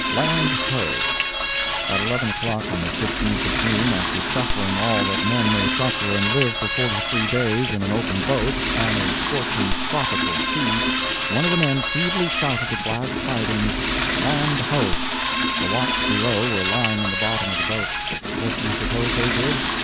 LAND HO! At eleven o'clock on the 15th of June, after suffering all that men may suffer and live for forty three days, in an open boat, on a scorching tropical sea, one of the men feebly shouted the glad tidings, "Land ho!" The "watch below" were lying in the bottom of the boat. What do you suppose they did?